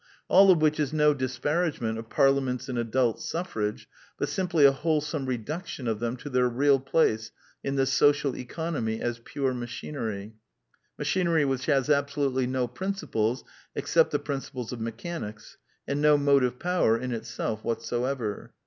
All of which is no disparagement of parliaments and adult suffrage, but simply a wholesome reduction of them to their real place in the social economy as pure machinery: ma chinery which has absolutely no principles except the principles of mechanics, and no motive power in itself whatsoever.